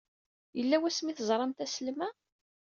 Yella wasmi ay teẓramt aslem-a?